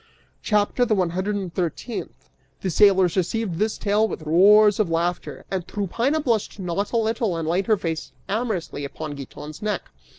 CHAPTER THE ONE HUNDRED AND THIRTEENTH. The sailors received this tale with roars of laughter, and Tryphaena blushed not a little and laid her face amorously upon Giton's neck.